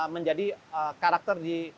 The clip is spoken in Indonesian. menjadi karakter di